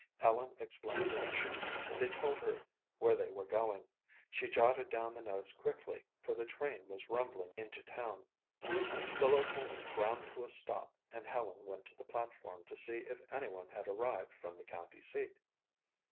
Helen explained her mission and they told her where they were going. She jotted down the notes quickly for the train was rumbling into town. The local ground to a stop and Helen went to the platform to see if anyone had arrived from the county seat.